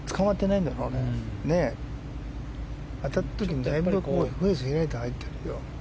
当たった時にフェース開いて入ってるよ。